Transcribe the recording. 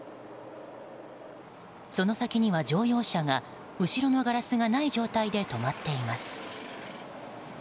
その先には、乗用車が後ろのガラスがない状態で止まっています。